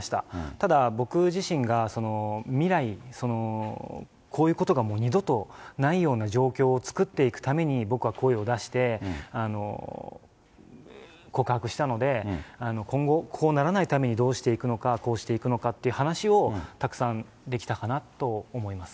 ただ僕自身が、未来にこういうことが二度とないような状況を作っていくために僕は声を出して、告白したので、今後、こうならないためにどうしていくのか、こうしていくのかっていう話をたくさんできたかなと思います。